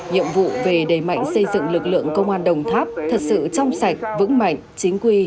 nhiệm vụ về đề mạnh xây dựng lực lượng công an đồng tháp thật sự trong sạch vững mạnh chính quy